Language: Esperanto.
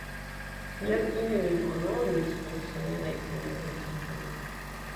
Tial ili lin honoris per solenaj funebraj ceremonioj.